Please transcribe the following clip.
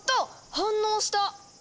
反応した！